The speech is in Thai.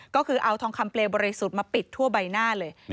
ก็คือเอาทองคำเปลวบริสุทธิ์มาปิดทั่วใบหน้าเลย